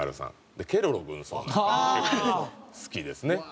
で『ケロロ軍曹』なんかも結構好きですね。